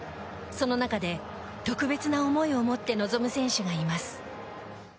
その中で、特別な思いを持って臨む選手がいます。